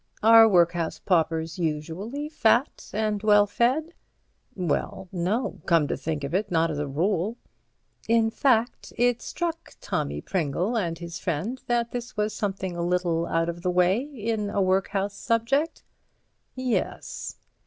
"Are workhouse paupers usually fat and well fed?" "Well, no—come to think of it, not as a rule." "In fact, it struck Tommy Pringle and his friend that this was something a little out of the way in a workhouse subject?" "Yes."